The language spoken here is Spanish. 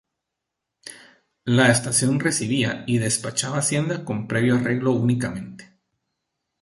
La Estación recibía y despachaba hacienda con previo arreglo únicamente.